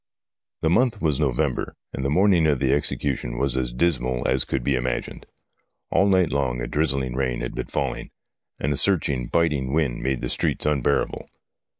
The month was November, and the morning of the execu tion was as dismal as could be imagined. All night long a drizzling rain had been falling, and a searching, biting wind made the streets unbearable.